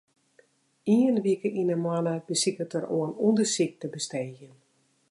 Ien wike yn 'e moanne besiket er oan ûndersyk te besteegjen.